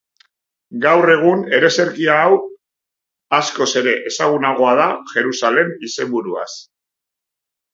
Gaur egun ereserkia hau askoz ere ezagunagoa da Jerusalem izenburuaz.